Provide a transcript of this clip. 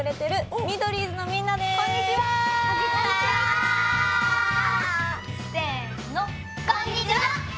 こんにちは！せの！